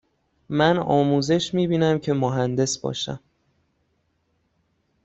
من آموزش می بینم که مهندس باشم.